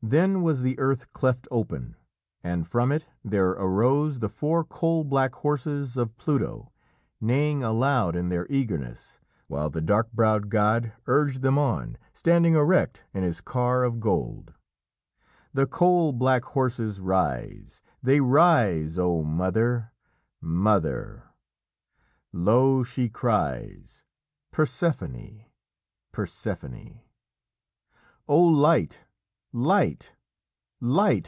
Then was the earth cleft open, and from it there arose the four coal black horses of Pluto, neighing aloud in their eagerness, while the dark browed god urged them on, standing erect in his car of gold. "'The coal black horses rise they rise, O mother, mother!' low she cries Persephone Persephone! 'O light, light, light!'